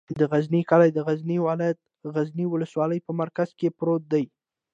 د غزنی کلی د غزنی ولایت، غزنی ولسوالي په مرکز کې پروت دی.